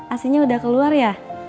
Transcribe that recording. asinya udah keluar ya